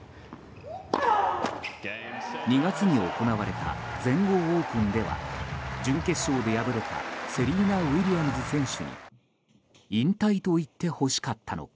２月に行われた全豪オープンでは準決勝で敗れたセリーナ・ウィリアムズ選手に引退と言ってほしかったのか。